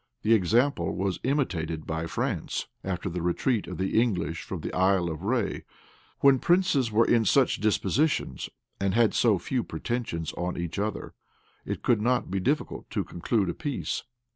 The example was imitated by France after the retreat of the English from the Isle of Rhé. When princes were in such dispositions, and had so few pretensions on each other, it could not be difficult to conclude a peace.